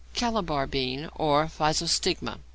=Calabar Bean or Physostigma.